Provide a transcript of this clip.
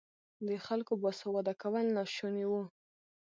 د خلکو باسواده کول ناشوني وو.